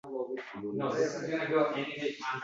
– Bugun ijodkor yoshlarimiz juda ko‘p.